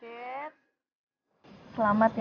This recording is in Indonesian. ya tren selamat ya